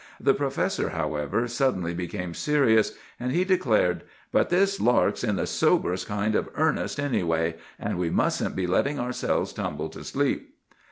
The professor, however, suddenly became serious; and he declared, 'But this lark's in the soberest kind of earnest, anyway; and we mustn't be letting ourselves tumble to sleep!